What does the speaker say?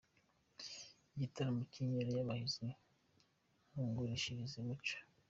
Igitaramo cy’inkera y’abahizi "Ntungurishirize umuco"